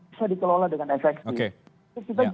bisa dikelola dengan efektif